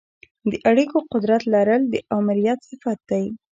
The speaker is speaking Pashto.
د اړیکو قدرت لرل د آمریت صفت دی.